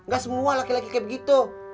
gak semua laki laki kayak begitu